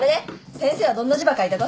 先生はどんな字ば書いたと？